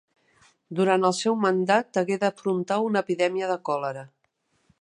Durant el seu mandat hagué d'afrontar una epidèmia de còlera.